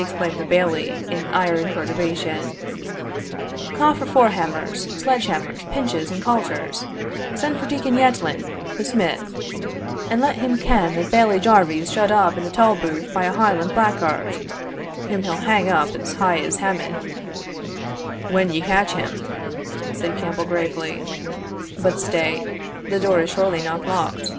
exclaimed the Bailie, in ire and perturbation. "Ca' for forehammers, sledge hammers, pinches, and coulters; send for Deacon Yettlin, the smith, an let him ken that Bailie Jarvie's shut up in the tolbooth by a Highland blackguard, whom he'll hang up as high as Haman" "When ye catch him," said Campbell, gravely; "but stay the door is surely not locked."